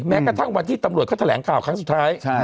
แม้กระทั่งวันที่ตำรวจเขาแถลงข่าวครั้งสุดท้าย